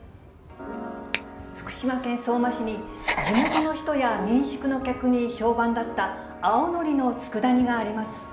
福島県相馬市に、地元の人や民宿の客に評判だった青のりのつくだ煮があります。